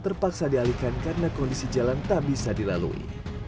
terpaksa dialihkan karena kondisi jalan tak bisa dilalui